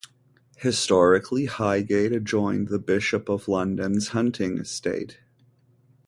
Historically, Highgate adjoined the Bishop of London's hunting estate.